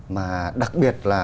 mà đặc biệt là